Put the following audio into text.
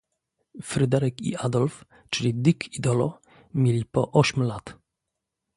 "Fryderyk i Adolf, czyli Dick i Dolo, mieli po ośm lat."